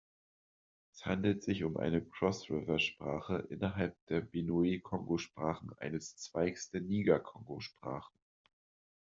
Es handelt sich um eine Cross-River-Sprache innerhalb der Benue-Kongo-Sprachen, eines Zweigs der Niger-Kongo-Sprachen.